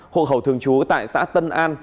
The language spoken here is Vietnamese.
hộ khẩu thường trú tại xã tân an